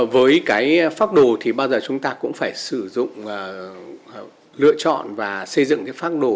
với phát đồ bao giờ chúng ta cũng phải sử dụng lựa chọn và xây dựng phát đồ